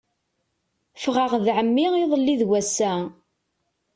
Ffɣeɣ d ɛemmi iḍelli d wass-a.